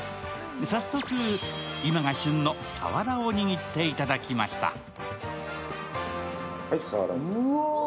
早速、今が旬のさわらを握っていただきました。